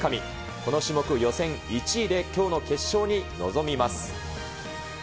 この種目、予選１位できょうの決勝に臨みます。